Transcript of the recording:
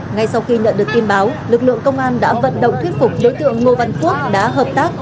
ngay sau khi nhận được tin báo lực lượng công an đã vận động thuyết phục đối tượng ngô văn quốc đã hợp tác